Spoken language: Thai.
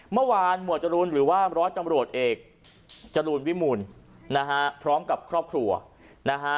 เมื่อวานหมวดจรูนหรือว่าร้อยตำรวจเอกจรูลวิมูลนะฮะพร้อมกับครอบครัวนะฮะ